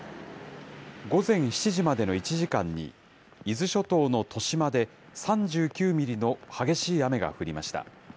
午前７時までの１時間に、伊豆諸島の利島で３９ミリの激しい雨が降りました。